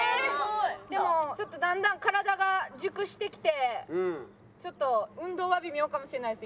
でもちょっとだんだん体が熟してきてちょっと運動は微妙かもしれないです